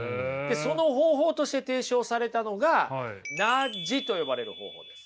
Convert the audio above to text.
その方法として提唱されたのがナッジと呼ばれる方法です。